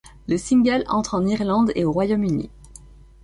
Le single entre en Irlande et au Royaume-Uni.